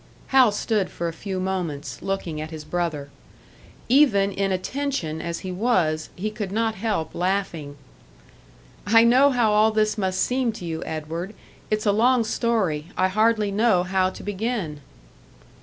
Hal stood for a few moments, looking at his brother. Even in a tension as he was, he could not help laughing. "I know how all this must seem to you, Edward. It's a long story; I hardly know how to begin."